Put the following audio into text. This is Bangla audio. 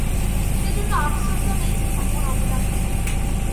সেজন্য আপসোসও নেই, এমন অপদার্থ।